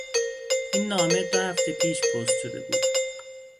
این نامه دو هفته پیش پست شده بود.